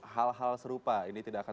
hal hal serupa ini tidak akan